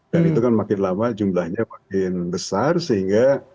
dan itu kan makin lama jumlahnya makin besar sehingga